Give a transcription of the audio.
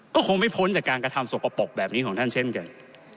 ก็คงไม่พ้นจากการกระทำสกปรกแบบนี้ของท่านเช่นกัน